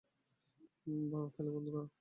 Hello, বন্ধুরা।